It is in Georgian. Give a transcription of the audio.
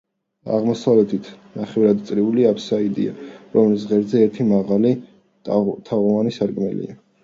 აღმოსავლეთით ნახევარწრიული აფსიდია, რომლის ღერძზე ერთი მაღალი თაღოვანი სარკმელია.